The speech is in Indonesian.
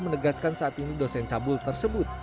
menegaskan saat ini dosen cabul tersebut